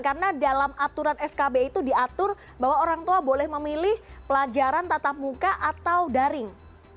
karena dalam aturan skb itu diatur bahwa orang tua boleh memilih pelajaran tatap muka atau daring